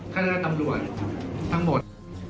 ท่านรัฐอำรวจทั้งหมด